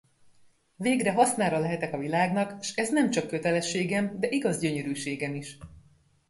Végre hasznára lehetek a világnak, s ez nemcsak kötelességem, de igaz gyönyörűségem is!